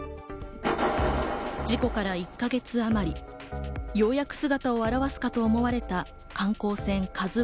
事故から１か月あまり、ようやく姿を現すかと思われた観光船